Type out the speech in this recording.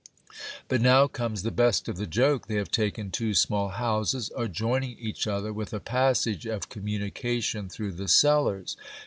But now comes the best of the joke : they have taken two small houses adjoining each other, with a passage of communication through the cellars.